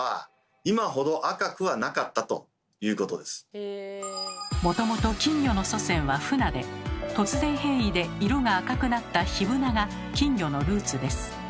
実はもともと金魚の祖先は「フナ」で突然変異で色が赤くなった「ヒブナ」が金魚のルーツです。